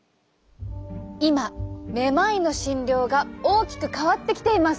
今めまいの診療が大きく変わってきています。